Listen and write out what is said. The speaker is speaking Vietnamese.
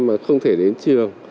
mà không thể đến trường